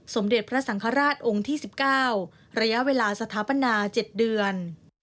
สมเด็จพระสังฆราชองค์ที่๑๙ระยะเวลาสถาปนา๗เดือน